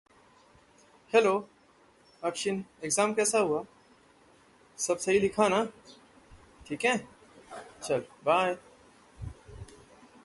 Wittig identified herself as a Radical lesbian.